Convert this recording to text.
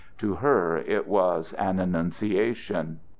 To her it was an annunciation.